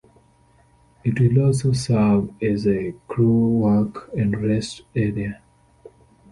It will also serve as a crew work and rest area.